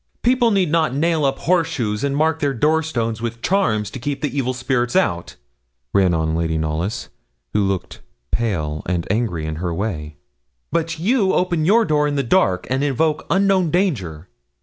'People need not nail up horseshoes and mark their door stones with charms to keep the evil spirit out,' ran on Lady Knollys, who looked pale and angry, in her way, 'but you open your door in the dark and invoke unknown danger.